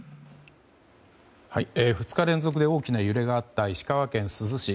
２日連続で大きな揺れがあった石川県珠洲市。